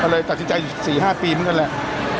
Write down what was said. เลยตัดสินใจอยู่๔๕ปีมันก็แหละ